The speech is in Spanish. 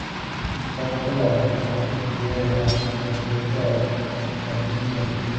Por su parte las poblaciones que crían en Asia central viajan al Subcontinente indio.